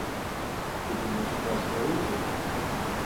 Ты думаеш, у нас не выйдзе?